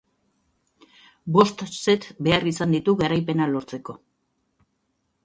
Bost set behar izan ditu garaipena lortzeko.